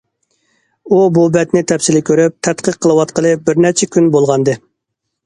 ئۇ بۇ بەتنى تەپسىلىي كۆرۈپ، تەتقىق قىلىۋاتقىلى بىر نەچچە كۈن بولغانىدى.